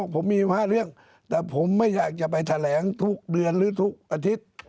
ผมมีอยู่๕เรื่องแต่ผมไม่อยากจะไปแถลงทุกเดือนหรือทุกอาทิตย์